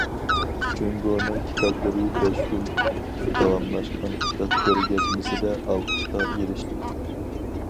جۇڭگونىڭ كىتابلىرى بەش كۈن داۋاملاشقان كىتاب كۆرگەزمىسىدە ئالقىشقا ئېرىشتى.